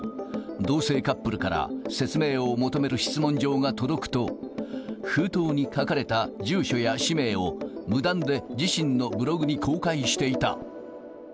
同性カップルから説明を求める質問状が届くと、封筒に書かれた住所や氏名を、無断で自身のブログに公開していた。